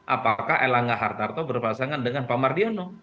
apakah elangga hartarto berpasangan dengan pak mardiono